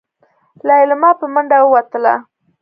ليلما په منډه ووتله.